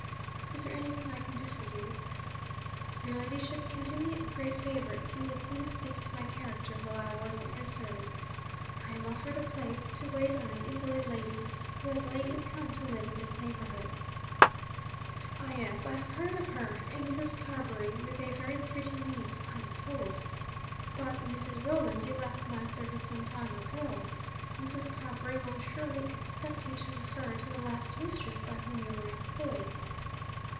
'Is there anything I can do for you?' 'Your ladyship can do me a great favour, if you will please speak to my character while I was in your service. I am offered a place, to wait on an invalid lady who has lately come to live in this neighbourhood.' 'Ah, yes I have heard of her. A Mrs. Carbury, with a very pretty niece I am told. But, Mrs. Rolland, you left my service some time ago. Mrs. Carbury will surely expect you to refer to the last mistress by whom you were employed.'